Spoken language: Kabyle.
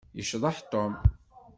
Yecḍeḥ Tom.